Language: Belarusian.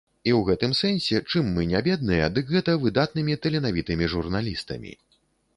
І ў гэтым сэнсе чым мы не бедныя, дык гэта выдатнымі таленавітымі журналістамі.